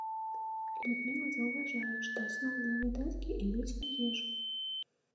Людміла заўважае, што асноўныя выдаткі ідуць на ежу.